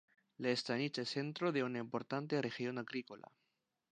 La "stanitsa" es centro de una importante región agrícola.